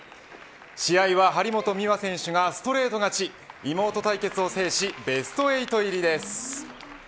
試合は張本美和選手がストレート勝ち妹対決を制しベスト８入りです。